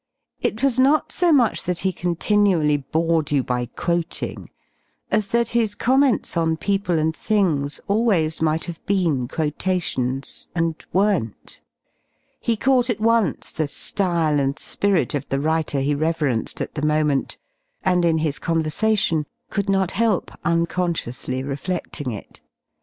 It was not so much that he continually bored you by quoting, as that his comments on people and things ahvays might have been quotations, and weren*t. He caught at once the liyle and spirit of the writer he reverenced at the moment, and in his conversation could not help unconsciously refleding it.